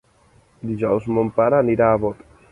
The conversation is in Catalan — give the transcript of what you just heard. Dijous mon pare anirà a Bot.